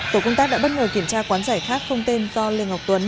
tổ công tác đã bất ngờ kiểm tra quán giải khác không tên do lê ngọc tuấn